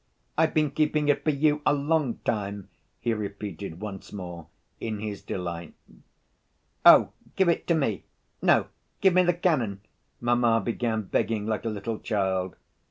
I've been keeping it for you a long time," he repeated once more in his delight. "Oh, give it to me! No, give me the cannon!" mamma began begging like a little child.